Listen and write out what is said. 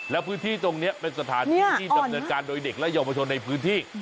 แล้วพื้นที่ตรงนี้เป็นสถานที่ที่ดำเนินการโดยเด็กและเยาวชนในพื้นที่